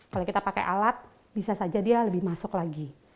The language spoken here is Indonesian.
kalau kita pakai alat bisa saja dia lebih masuk lagi